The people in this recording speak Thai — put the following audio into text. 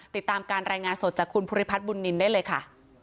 ติดตามการรายงานสดจากคุณภูริพัฒนบุญนินได้เลยค่ะ